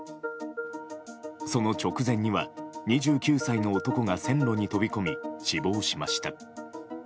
その直前には、２９歳の男が線路に飛び込み死亡しました。